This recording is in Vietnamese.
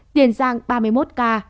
tiền giang ba mươi một ca